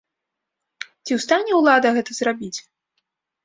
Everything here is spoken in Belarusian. Ці ў стане ўлада гэта зрабіць?